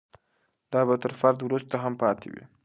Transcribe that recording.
دا به تر فرد وروسته هم پاتې وي.